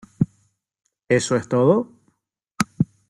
¿ eso es todo?